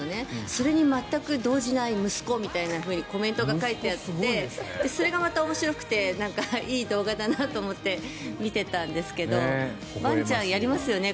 それに全く動じない息子みたいなふうにコメントが書いてあってそれがまた面白くていい動画だなと思って見ていたんですがワンちゃんやりますよね。